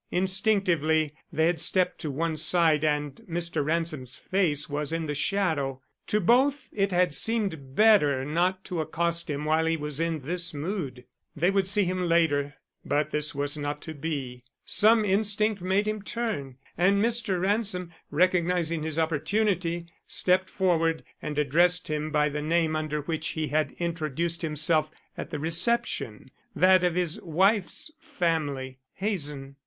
Instinctively they had stepped to one side, and Mr. Ransom's face was in the shadow. To both it had seemed better not to accost him while he was in this mood. They would see him later. But this was not to be. Some instinct made him turn, and Mr. Ransom, recognizing his opportunity, stepped forward and addressed him by the name under which he had introduced himself at the reception; that of his wife's family, Hazen.